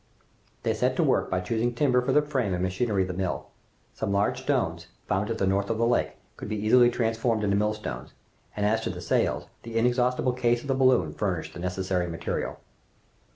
They set to work by choosing timber for the frame and machinery of the mill. Some large stones, found at the north of the lake, could be easily transformed into millstones, and as to the sails, the inexhaustible case of the balloon furnished the necessary material.